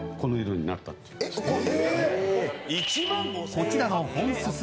［こちらの］